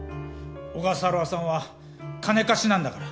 小笠原さんは金貸しなんだから。